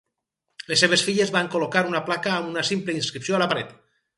Les seves filles van col·locar una placa amb una simple inscripció a la paret.